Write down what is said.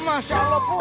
masya allah pur